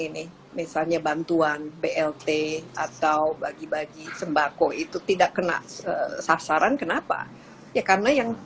ini misalnya bantuan blt atau bagi bagi sembako itu tidak kena sasaran kenapa ya karena yang